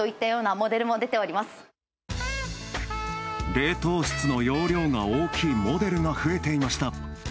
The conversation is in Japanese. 冷凍室の容量が大きいモデルが増えていました。